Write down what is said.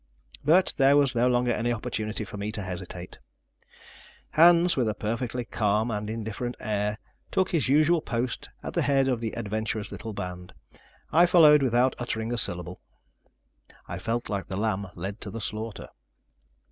But there was no longer any opportunity for me to hesitate. Hans, with a perfectly calm and indifferent air, took his usual post at the head of the adventurous little band. I followed without uttering a syllable. I felt like the lamb led to the slaughter.